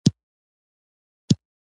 احمد پر زړه اور رابل کړ.